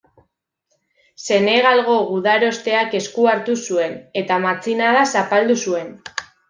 Senegalgo gudarosteak esku hartu zuen, eta matxinada zapaldu zuen.